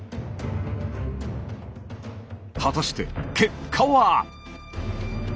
果たして結果は？